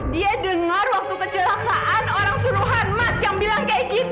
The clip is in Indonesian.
dia dengar waktu kecelakaan orang suruhan mas yang bilang kayak gitu